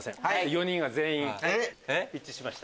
４人が全員一致しました。